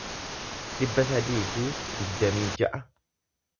dhibba sadii fi digdamii ja'a